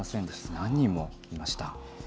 何人もいました。